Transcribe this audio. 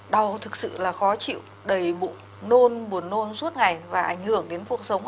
đau thực sự là khó chịu đầy bụng nôn buồn nôn suốt ngày và ảnh hưởng đến cuộc sống